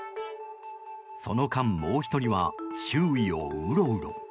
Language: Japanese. その間、もう１人は周囲をうろうろ。